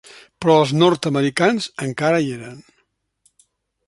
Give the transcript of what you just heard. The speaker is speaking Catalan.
Però els nord-americans encara hi eren.